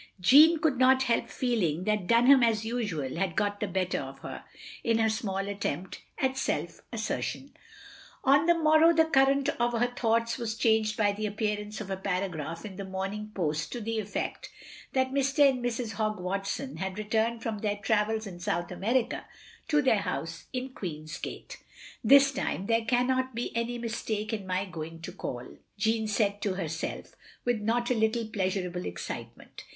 " Jeanne could not help feeling, that Dunham, as tisual, had got the better of her, in her small attempt at self assertion. OF GROSVENOR SQUARE 163 On the morrow the current of her thoughts was changed by the appearance of a paragraph in the Morning Post to the effect that Mr. and Mrs. Hogg Watson had returned from their travels in South America, to their house in Queen's Gate. "This time there cannot be any mistake in my going to call," Jeanne said to herself, with not a little pleastirable excitement.